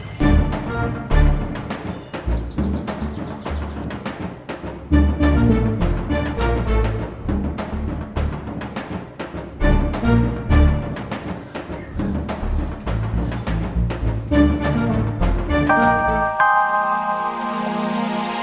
senyum mache ngeri aku